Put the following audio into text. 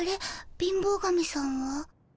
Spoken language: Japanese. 貧乏神さんは？